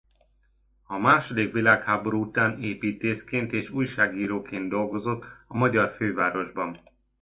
A második világháború után építészként és újságíróként dolgozott a magyar fővárosban.